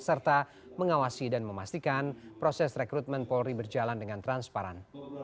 serta mengawasi dan memastikan proses rekrutmen polri berjalan dengan transparan